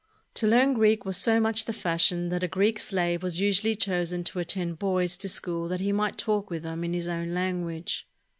To learn Greek was so much the fashion that a Greek slave was usually chosen to attend boys to school that he might talk with them in his own language.